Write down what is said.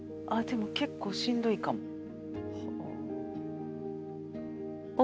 あでも結構しんどいかも。